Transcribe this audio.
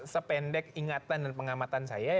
sependek ingatan dan pengamatan saya